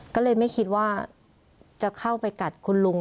ก็เลยไม่คิดว่าจะเข้าไปกัดคุณลุง